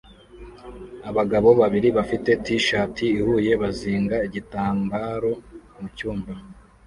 Abagabo babiri bafite t-shati ihuye bazinga igitambaro mucyumba